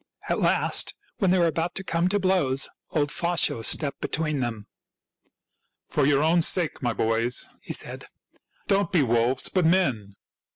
At last, when they were about to come to blows, old Faustulus stepped between them. " For your own sakes, my boys," he said, " don't be wolves, but men.